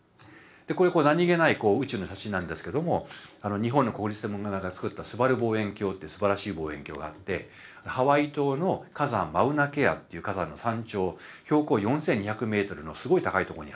これ何気ない宇宙の写真なんですけども日本の国立天文台がつくったすばる望遠鏡ってすばらしい望遠鏡があってハワイ島の火山マウナ・ケアっていう火山の山頂標高４，２００ｍのすごい高い所にある。